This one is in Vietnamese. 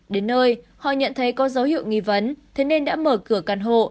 đến nơi họ nhận thấy có dấu hiệu nghi vấn thế nên đã mở cửa căn hộ